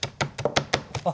あ。